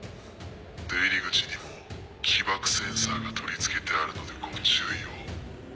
出入り口にも起爆センサーが取り付けてあるのでご注意を。